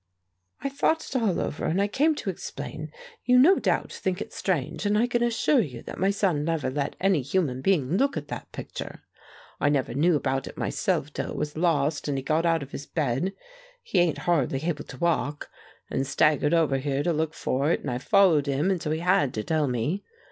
"I thought it all over, and I came to explain. You no doubt think it strange; and I can assure you that my son never let any human being look at that picture. I never knew about it myself till it was lost and he got out of his bed he ain't hardly able to walk and staggered over here to look for it, and I followed him; and so he had to tell me.